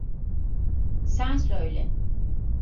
Sen söyle.